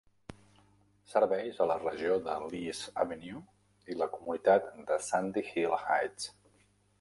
Serveis a la regió de Lees Avenue i la comunitat de Sandy Hill Heights.